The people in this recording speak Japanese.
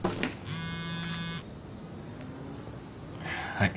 はい。